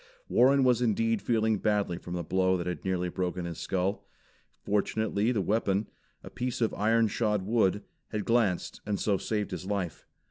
Warren was indeed feeling badly from the blow that had nearly broken his skull. Fortunately the weapon, a piece of iron shod wood, had glanced and so saved his life.